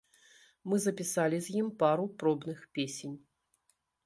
Мы запісалі з ім пару пробных песень.